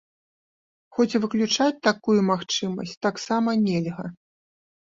Хоць і выключаць такую магчымасць таксама нельга.